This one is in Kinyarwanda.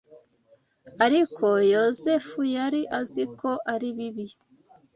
Ariko Yozefu yari azi ko ari bibi